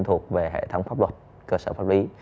thuộc về hệ thống pháp luật cơ sở pháp lý